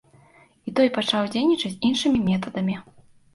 І той пачаў дзейнічаць іншымі метадамі.